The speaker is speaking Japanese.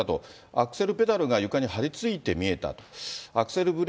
アクセルペダルが床に張り付いて見えたと。